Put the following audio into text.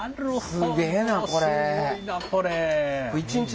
すげえなこれ。